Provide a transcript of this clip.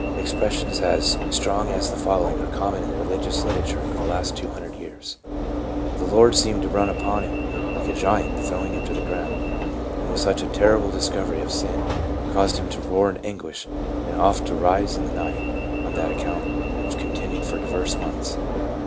Expressions as strong as the following are common in the religious literature of the last two hundred years :..." The Lord seemed to run upon him, like a giant, throwing him to the ground, and with such a terrible discovery of sin, caused him to roar in anguish and oft rise in the night on that account, which continued for diverse months."